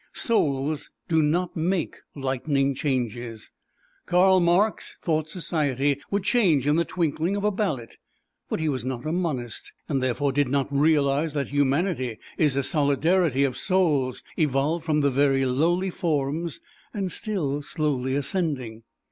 Souls do not make lightning changes. Karl Marx thought society would change in the twinkling of a ballot, but he was not a Monist, and therefore did not realize that humanity is a solidarity of souls, evolved from very lowly forms and still slowly ascending.